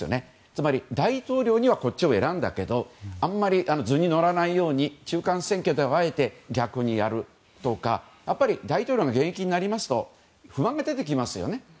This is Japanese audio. つまり大統領にはこっちを選んだけどあんまり図に乗らないように中間選挙ではあえて逆にやるとか大統領が現役になりますと不満が出てきますよね。